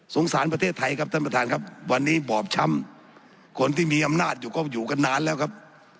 สารประเทศไทยครับท่านประธานครับวันนี้บอบช้ำคนที่มีอำนาจอยู่ก็อยู่กันนานแล้วครับ